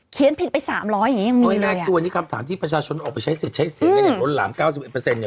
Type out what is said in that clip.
เขียนเพลงไป๓๐๐อย่างนี้มันยังมีเลยตัวนี้คำถามที่ประชาชนออกไปใช้เสร็จใช้เสร็จแล้วเนี่ยล้นหลาม๙๑เนี่ย